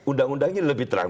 undang undangnya lebih terang